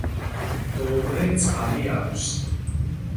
მდოვრე წყალი აქვს.